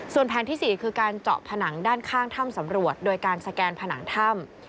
ส่วนแผนที่๔คือการเจาะผนังด้านข้างถ้ำสำรวจโดยการสแกนผนังถ้ำ